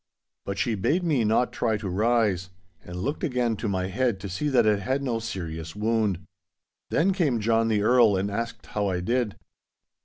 But she bade me not try to rise; and looked again to my head to see that it had no serious wound. Then came John the Earl and asked how I did.